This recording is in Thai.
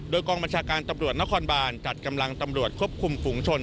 โดยกองบัญชาการตำรวจนครบานจัดกำลังตำรวจควบคุมฝุงชน